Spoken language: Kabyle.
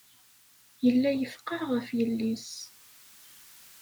Yella yefqeɛ ɣef yelli-s.